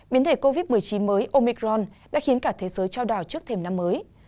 biến thể covid một mươi chín mới omicron đã khiến cả thế giới trao đào trước thêm năm mới